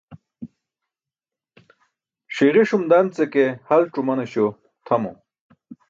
Ṣiġuṣum dance ke halc̣ umanaśo tʰamo.